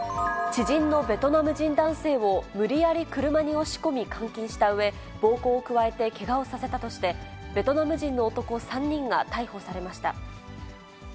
知人のベトナム人男性を、無理やり車に押し込み、監禁したうえ、暴行を加えてけがをさせたとしてベトナム人の男３人が逮捕されました。